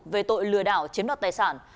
về tội lừa đảo chiếm đoạt tài sản